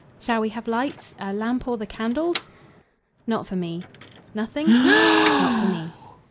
"Shall we have lights a lamp or the candles?" "Not for me." "Nothing?" "Not for me."